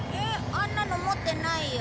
あんなの持ってないよ。